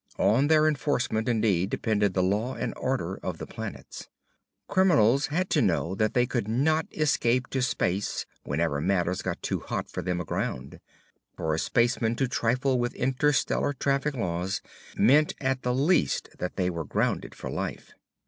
On their enforcement, indeed, depended the law and order of the planets. Criminals had to know that they could not escape to space whenever matters got too hot for them aground. For a spaceman to trifle with interstellar traffic laws meant at the least that they were grounded for life.